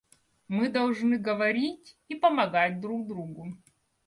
Мы должны говорить и помогать друг другу.